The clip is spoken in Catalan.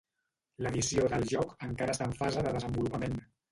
L'edició del joc encara està en fase de desenvolupament.